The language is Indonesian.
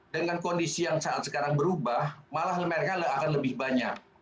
dengan kondisi yang saat sekarang berubah malah mereka akan lebih banyak